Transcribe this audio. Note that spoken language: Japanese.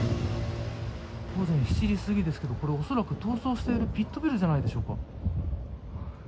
午前７時すぎですがおそらく逃走しているピット・ブルじゃないでしょうか。